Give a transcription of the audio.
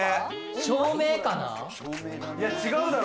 照明かな？